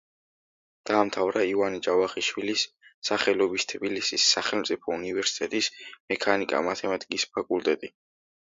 დაამთავრა ივანე ჯავახიშვილის სახელობის თბილისის სახელმწიფო უნივერსიტეტის მექანიკა-მათემატიკის ფაკულტეტი.